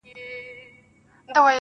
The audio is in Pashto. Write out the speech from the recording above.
پر دې متل باندي څه شك پيدا سو.